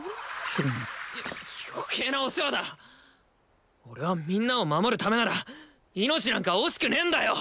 少年余計なお世話だ俺はみんなを守るためなら命なんか惜しくねえんだよ！